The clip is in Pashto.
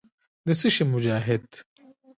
د څه شي مجاهد.